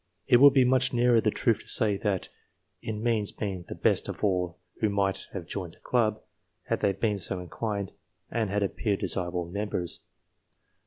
It would be much nearer the truth to say, that it means being the best of all who might have joined the club, had they been so inclined and had appeared desirable members.